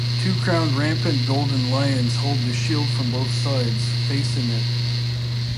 Two crowned rampant golden lions hold the shield from both sides, facing it.